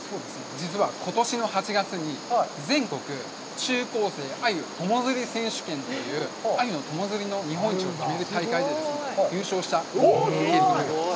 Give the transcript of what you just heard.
実はことしの８月に全国中高生鮎友釣り選手権というアユの友釣りの日本一を決める大会で優勝したんです。